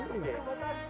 ini mbak putri